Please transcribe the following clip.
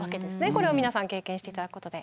これを皆さん経験して頂くことで。